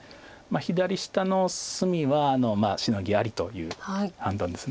左下の隅はシノギありという判断です。